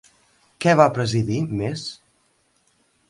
Què va presidir Més?